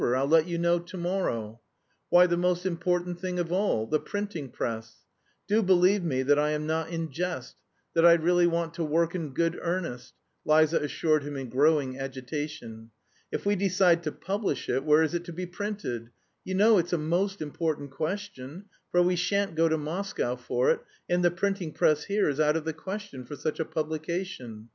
I'll let you know to morrow." "Why, the most important thing of all the printing press! Do believe me that I am not in jest, that I really want to work in good earnest!" Liza assured him in growing agitation. "If we decide to publish it, where is it to be printed? You know it's a most important question, for we shan't go to Moscow for it, and the printing press here is out of the question for such a publication.